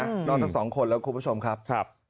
นอนทั้งสองคนแล้วคุณผู้ชมครับ